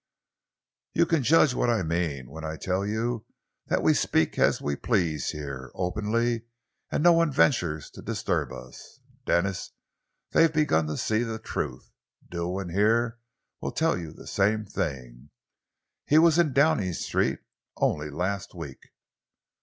You can judge what I mean when I tell you that we speak as we please here, openly, and no one ventures to disturb us. Denis, they've begun to see the truth. Dilwyn here will tell you the same thing. He was in Downing Street only last week."